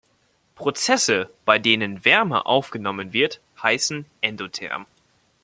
Prozesse, bei denen Wärme aufgenommen wird, heißen endotherm.